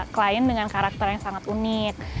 klien dengan karakter yang sangat unik